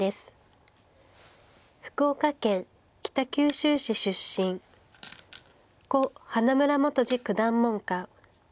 福岡県北九州市出身故花村元司九段門下。